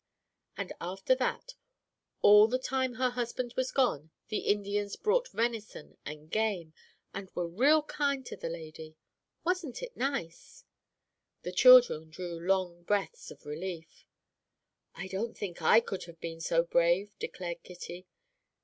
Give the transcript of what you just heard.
"And after that, all the time her husband was gone, the Indians brought venison and game, and were real kind to the lady. Wasn't it nice?" The children drew long breaths of relief. "I don't think I could have been so brave," declared Kitty.